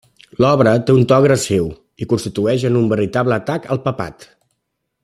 L'obra té un to agressiu, i consisteix en un veritable atac al Papat.